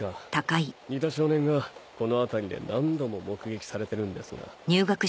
似た少年がこの辺りで何度も目撃されてるんですが。